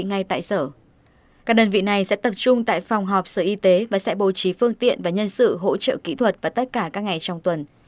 các sở các đơn vị này sẽ tập trung tại phòng họp sở y tế và sẽ bố trí phương tiện và nhân sự hỗ trợ kỹ thuật vào tất cả các ngày trong tuần